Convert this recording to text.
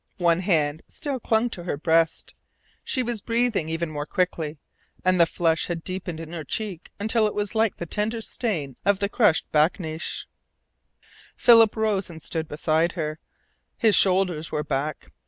One hand still clung to her breast. She was breathing even more quickly, and the flush had deepened in her cheek until it was like the tender stain of the crushed bakneesh. Philip rose and stood beside her. His shoulders were back.